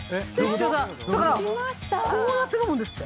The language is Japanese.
だからこうやって飲むんです。